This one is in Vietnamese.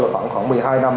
là khoảng một mươi hai năm